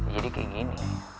jadi kayak gini